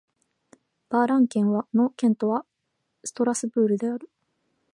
バ＝ラン県の県都はストラスブールである